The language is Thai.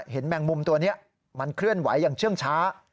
แมงมุมตัวนี้มันเคลื่อนไหวอย่างเชื่องช้า